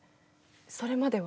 それまでは？